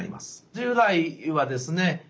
従来はですね